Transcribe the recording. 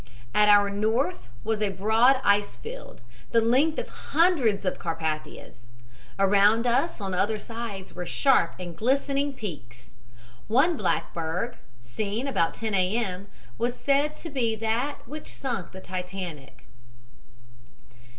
"At our north was a broad ice field, the length of hundreds of Carpathias. Around us on other sides were sharp and glistening peaks. One black berg, seen about 10 A. M., was said to be that which sunk the Titanic."